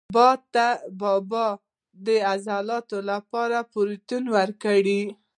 • بادام د عضلاتو لپاره پروټین ورکوي.